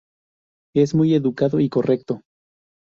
Es muy educado y correcto.